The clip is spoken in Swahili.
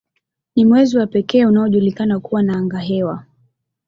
Ni mwezi wa pekee unaojulikana kuwa na angahewa.